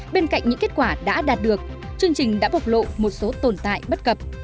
bên cạnh những kết quả đã đạt được chương trình đã bộc lộ một số tồn tại bất cập